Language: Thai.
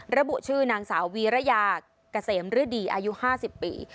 ระบุชื่อนางสาววีรยาเกษมฤดีอายุ๕๐ปี